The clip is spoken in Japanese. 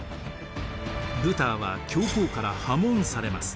ルターは教皇から破門されます。